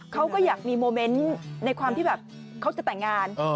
เขาก็อยากมีโมเมนต์ในความที่แบบเขาจะแต่งงาน